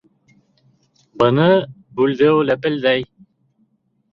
— Быны Бульдео ләпелдәй.